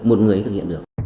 một người cũng thực hiện được